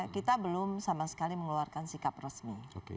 kita belum sama sekali mengeluarkan sikap resmi